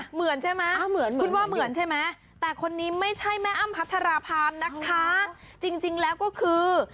เหมือนใช่มั้ยคุณว่าเหมือนใช่มั้ยแต่คนนี้ไม่ใช่แม่อ้ามพัชราพานนักท้าจริงแล้วก็คือ